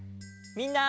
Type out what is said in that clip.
みんな！